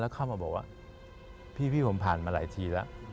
เข้ามาบอกว่าพี่ผมผ่านมาหลายทีแล้ว